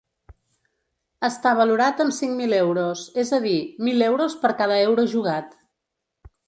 Està valorat amb cinc mil euros, és a dir, mil euros per cada euro jugat.